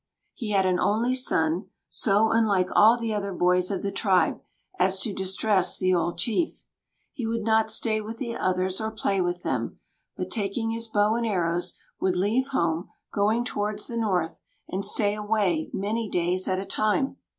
He had an only son, so unlike all the other boys of the tribe as to distress the old chief. He would not stay with the others or play with them, but, taking his bow and arrows, would leave home, going towards the north, and stay away many days at a time.